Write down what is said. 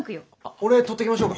俺取ってきましょうか。